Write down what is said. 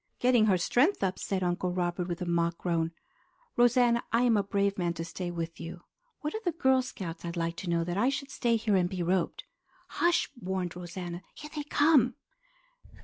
"Getting her strength up," said Uncle Robert with a mock groan. "Rosanna, I am a brave man to stay with you. What are the Girl Scouts, I'd like to know, that I should stay here and be roped?" "Hush!" warned Rosanna. "Here they come!"